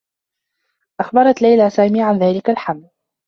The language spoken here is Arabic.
أخبرت ليلى سامي عن ذلك الحمل.